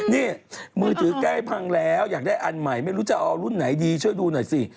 นี่มือถือใกล้พังแล้วอยากได้อันใหม่ไม่รู้จะเอารุ่นไหนดีช่วยดูหน่อยสิ